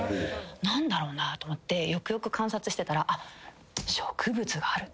何だろうなと思ってよくよく観察してたらあっ植物があると。